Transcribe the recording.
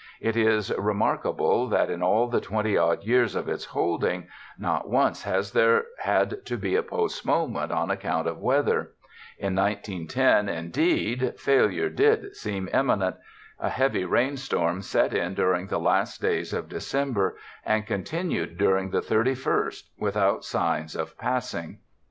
It is remark able that, in all the twenty odd years of its holding, not once has there had to be a postponement on ac count of weather. In 1910, indeed, failure did seem imminent. A heavy rainstorm set in during the last days of December and continued during the thirty first without signs of passing.